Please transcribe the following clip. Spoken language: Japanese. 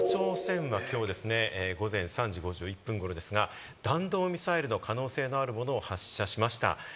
北朝鮮はきょう午前３時５０分頃、弾道ミサイルの可能性があるものを発射しました。